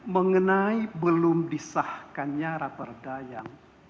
mengenai belum disahkannya rapor dayang